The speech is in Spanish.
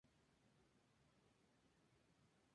Pero la propuesta fue rechazada.